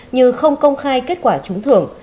như không công khai kết quả trúng thưởng